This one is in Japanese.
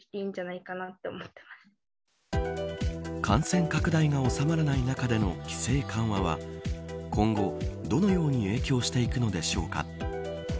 感染拡大が収まらない中での規制緩和は今後、どのように影響していくのでしょうか。